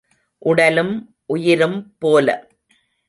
உடலும் உயிரும் போல.